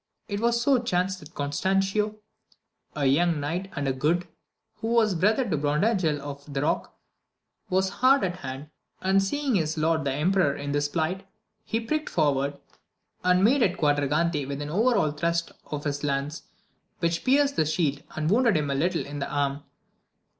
It so chanced that Constancio, a young knight and a good, who was brother to Brondajel of the Rock, was hard at hand, and seeing his lord the emperor in this plight, he pricked, forward, and made 186 AMADIS OF GAUL at Quadragante with an orerhand thrust of his lance, which pierced the shield and wounded him a little in tiie arm.